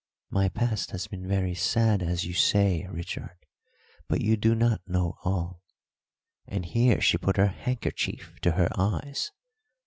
"My past has been very sad, as you say, Richard, but you do not know all," and here she put her handkerchief to her eyes.